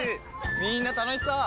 みんな楽しそう！